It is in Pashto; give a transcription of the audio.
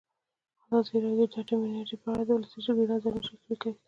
ازادي راډیو د اټومي انرژي په اړه د ولسي جرګې نظرونه شریک کړي.